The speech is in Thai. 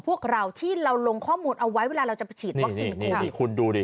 พวกเราที่เราลงข้อมูลเอาไว้เวลาเราจะสิ่งคุณดูดิ